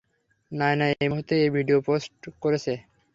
নায়না এই মুহূর্তে এই ভিডিও পোস্ট করেছে।